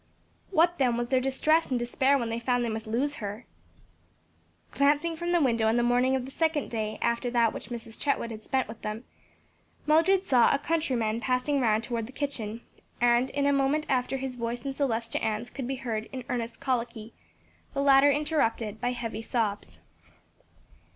What then was their distress and despair when they found they must lose her. Glancing from the window on the morning of the second day after that which Mrs. Chetwood had spent with them, Mildred saw a countryman passing round toward the kitchen, and in a moment after his voice and Celestia Ann's could be heard in earnest colloquy, the latter interrupted by heavy sobs.